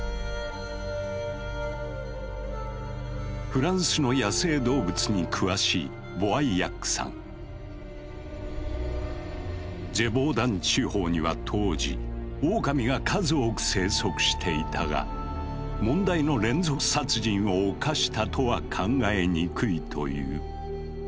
フランスの野生動物に詳しいジェヴォーダン地方には当時オオカミが数多く生息していたが問題の連続殺人を犯したとは考えにくいという。